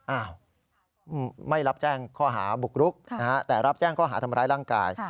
อ้าวไม่รับแจ้งข้อหาบุกรุกแต่รับแจ้งข้อหาทำร้ายร่างกาย